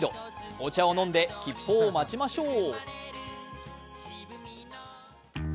お茶を飲んで吉報を待ちましょう。